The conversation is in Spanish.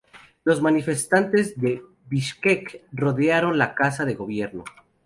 Los manifestantes de Bishkek rodearon la casa de gobierno.